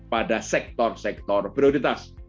pada sektor sektor prioritas